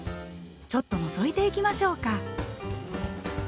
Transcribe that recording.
ちょっとのぞいていきましょうか。